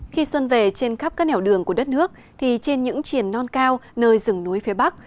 khi xuân về trên khắp các nẻo đường của đất nước thì trên những triển non cao nơi rừng núi phía bắc